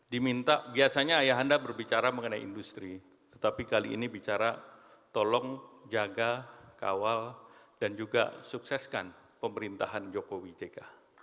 diminta biasanya ayah anda berbicara mengenai industri tetapi kali ini bicara tolong jaga kawal dan juga sukseskan pemerintahan jokowi jk